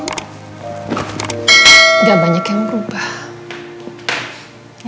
enggak banyak yang berubah